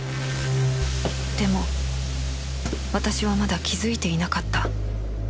でも私はまだ気づいていなかった